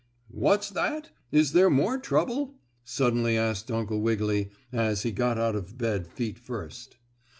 "What's that? Is there more trouble?" suddenly asked Uncle Wiggily, as he got out of bed feet first.